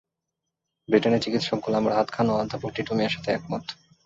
ব্রিটেনের চিকিৎসক গোলাম রাহাত খানও অধ্যাপক টিটু মিয়ার সাথে একমত।